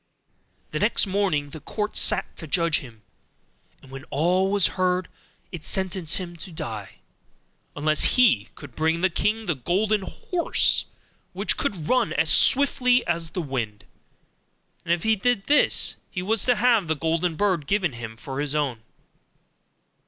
The next morning the court sat to judge him; and when all was heard, it sentenced him to die, unless he should bring the king the golden horse which could run as swiftly as the wind; and if he did this, he was to have the golden bird given him for his own.